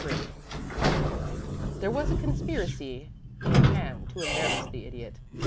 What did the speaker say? III There was a conspiracy in hand to embarrass the Idiot.